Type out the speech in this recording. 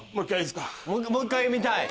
もう１回見たい。